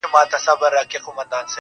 د دوى په نيت ورسره نه اوسيږو.